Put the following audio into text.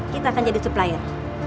kita akan jadi supplier